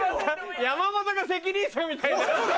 山本が責任者みたいになってる。